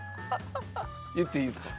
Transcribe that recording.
言っていいですか？